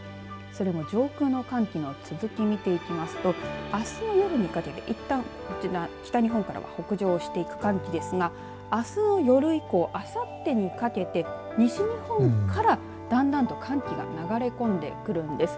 上空の寒気の続きを見ていきますとあすの夜にかけて、いったん北日本から北上していく寒気ですがあすの夜以降、あさってにかけて西日本からだんだんと寒気が流れ込んでくるんです。